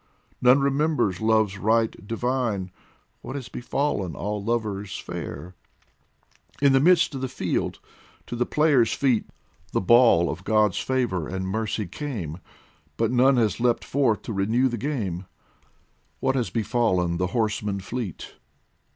None remembers love's right divine ; What has befallen all lovers fair ? In the midst of the field, to the players' feet, The ball of God's favour and mercy came, But none has leapt forth to renew the game W r hat has befallen the horsemen fleet